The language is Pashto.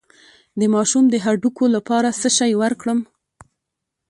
د ماشوم د هډوکو لپاره څه شی ورکړم؟